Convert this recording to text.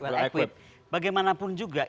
well equipped bagaimanapun juga